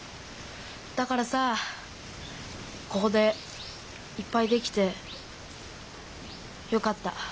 だからさここでいっぱいできてよかった。